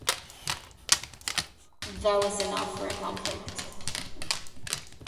That was enough for a conflict.